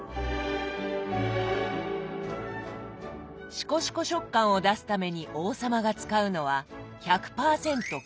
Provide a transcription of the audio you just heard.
⁉しこしこ食感を出すために王様が使うのは１００％強力粉。